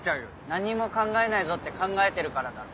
「何も考えないぞ」って考えてるからだろ。